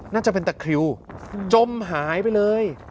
น่าจะเป็นตะคริวจมหายไปเลย